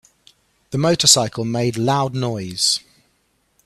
The motorcycle made loud noise.